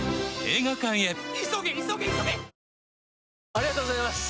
ありがとうございます！